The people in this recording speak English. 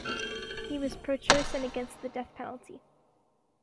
He was pro-choice and against the death penalty.